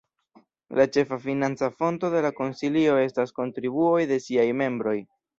La ĉefa financa fonto de la Konsilio estas kontribuoj de siaj membroj.